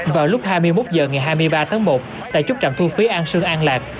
vào lúc hai mươi một h ngày hai mươi ba tháng một tại chốt trạm thu phí an sương an lạc